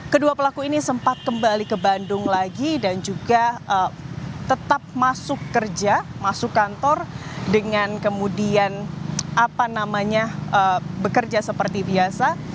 kedua pelaku ini sempat kembali ke bandung lagi dan juga tetap masuk kerja masuk kantor dengan kemudian bekerja seperti biasa